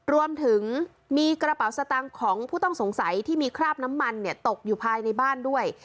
รวมถึงมีกระเป๋าสตางค์ของผู้ต้องสงสัยที่มีคราบน้ำมันตกอยู่ภายในบ้านด้วย